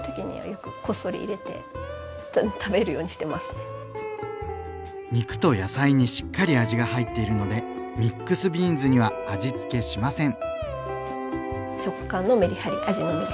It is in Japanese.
なかなか肉と野菜にしっかり味が入っているのでミックスビーンズには味つけしません。